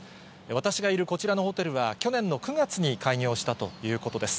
私がいるこちらのホテルは、去年の９月に開業したということです。